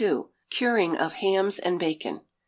Curing of Hams and Bacon.